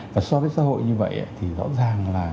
và so với xã hội như vậy thì rõ ràng là